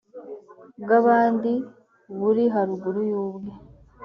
bw abandi buri haruguru y ubwe